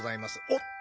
おっと。